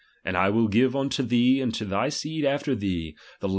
And I will give mito thee and to thy seed after thee, the la?